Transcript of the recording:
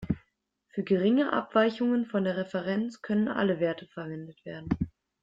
Für geringe Abweichungen von der Referenz können alle Werte verwendet werden.